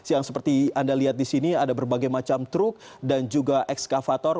yang seperti anda lihat di sini ada berbagai macam truk dan juga ekskavator